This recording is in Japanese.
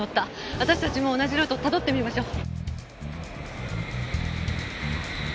私たちも同じルートを辿ってみましょう。